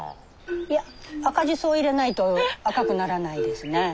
いや赤じそを入れないと赤くならないですねえ。